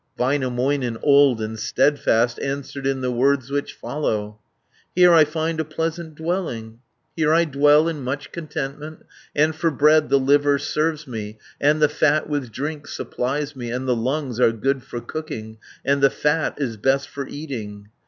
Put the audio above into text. Väinämöinen, old and steadfast, Answered in the words which follow: "Here I find a pleasant dwelling, Here I dwell in much contentment, And for bread the liver serves me, And the fat with drink supplies me, 510 And the lungs are good for cooking, And the fat is best for eating.